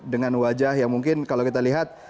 dengan wajah yang mungkin kalau kita lihat